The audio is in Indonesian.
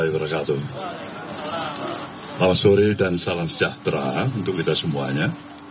selamat sore dan salam sejahtera untuk kita semuanya